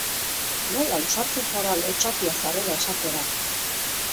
Nola ausartzen zara lotsatia zarela esatera?